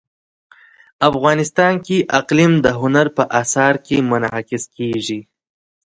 افغانستان کې اقلیم د هنر په اثار کې منعکس کېږي.